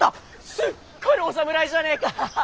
すっかりお侍じゃねぇか。